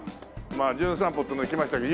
『じゅん散歩』っていうので来ましたけど。